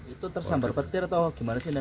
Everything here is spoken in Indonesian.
itu tersambar petir atau gimana sih nak